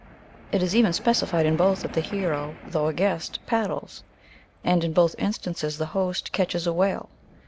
79 is even specified in both that the hero, though a guest, paddles. And in, both instances the host catches a whale.